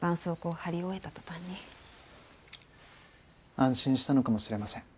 安心したのかもしれません。